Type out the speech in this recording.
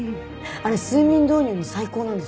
あれ睡眠導入に最高なんですよ。